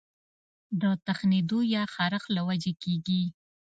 د تښنېدو يا خارښ له وجې کيږي